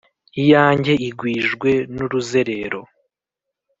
iyange igwijwe n'uruzerero,